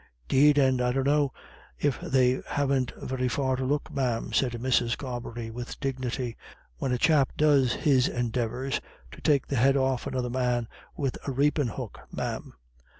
"'Deed, and I dunno if they haven't very far to look, ma'am," said Mrs. Carbery, with dignity, "when a chap does his endeavours to take the head off another man wid a rapin' hook, ma'am."